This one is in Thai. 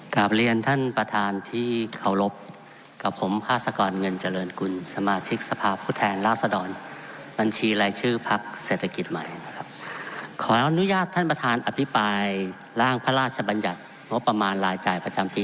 กลับเรียนท่านประธานที่เคารพกับผมพาสกรเงินเจริญกุลสมาชิกสภาพผู้แทนราษดรบัญชีรายชื่อพักเศรษฐกิจใหม่นะครับขออนุญาตท่านประธานอภิปรายร่างพระราชบัญญัติงบประมาณรายจ่ายประจำปี